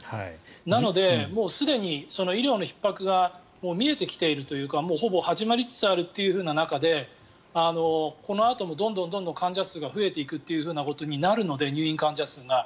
なので、もうすでに医療のひっ迫が見えてきているというかもうほぼ始まりつつあるという中でこのあともどんどん患者数が増えていくということになるので入院患者数が。